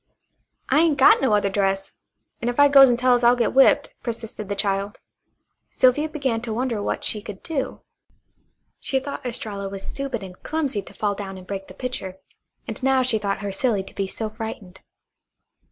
"I ain't got no other dress; an' if I goes an' tells I'll get whipped," persisted the child. Sylvia began to wonder what she could do. She thought Estralla was stupid and clumsy to fall down and break the pitcher, and now she thought her silly to be so frightened.